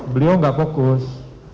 beliau tidak fokus